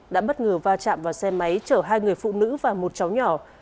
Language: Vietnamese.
đã bất ngờ va chạm vào xe máy chở hai người phụ nữ và một cháu nhỏ